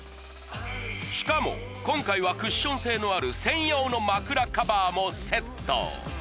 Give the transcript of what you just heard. しかも今回はクッション性のある専用の枕カバーもセット